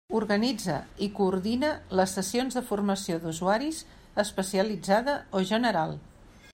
Organitza i coordina les sessions de formació d'usuaris especialitzada o general.